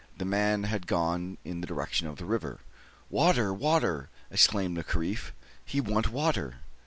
The man had gone in the direction of the river. "Water, water!" exclaimed the Kaffir; "he want water."